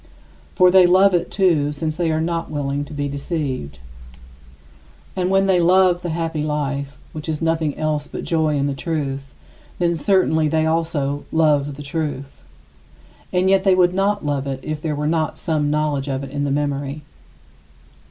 For they love it, too, since they are not willing to be deceived. And when they love the happy life, which is nothing else but joy in the truth, then certainly they also love the truth. And yet they would not love it if there were not some knowledge of it in the memory.